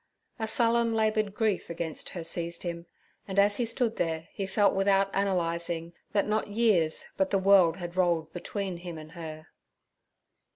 A sullen, laboured grief against her seized him, and as he stood there he felt without analyzing that not years but the world had rolled between him and her.